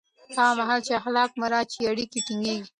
هغه مهال چې اخلاق مراعت شي، اړیکې ټینګېږي.